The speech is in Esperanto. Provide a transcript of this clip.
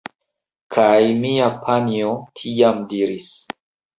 Kaj mia panjo tiam diris: